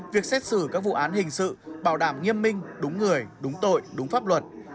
việc xét xử các vụ án hình sự bảo đảm nghiêm minh đúng người đúng tội đúng pháp luật